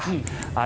あれ